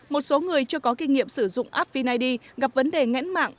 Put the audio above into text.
một số người chưa có kinh nghiệm sử dụng app vin id gặp vấn đề ngãn mạng